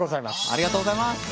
ありがとうございます。